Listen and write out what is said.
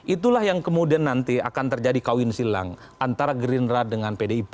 itulah yang kemudian nanti akan terjadi kawin silang antara gerindra dengan pdip